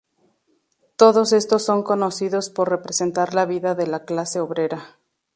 Todos estos son conocidos por representar la vida de la clase obrera.